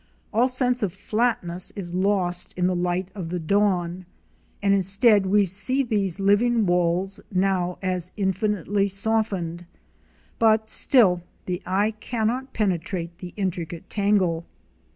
All sense of flatness is lost in the light of the dawn; and instead we see these living walls now as infinitely softened; but still the eye cannot penetrate the intricate tangle.